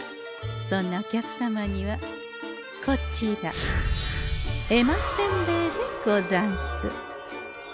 そんなお客様にはこちら「絵馬せんべい」でござんす。